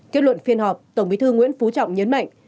kết luận phiên họp tổng bí thư nguyễn phú trọng nhấn mạnh